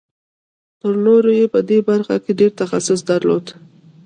تر نورو یې په دې برخه کې ډېر تخصص درلود